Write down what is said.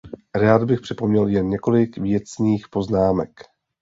Rád bych připomněl jen několik věcných poznámek.